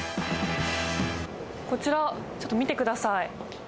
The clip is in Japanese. こちら、ちょっと見てください。